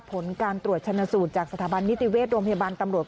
ผลการตรวจชนสูตรจากสถาบันนิติเวชโรงพยาบาลตำรวจ